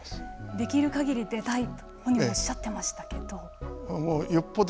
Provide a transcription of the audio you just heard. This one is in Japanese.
できる限り出たいと本人もおっしゃってましたけど。